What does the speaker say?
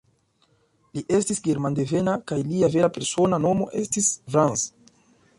Li estis germandevena, kaj lia vera persona nomo estis "Franz".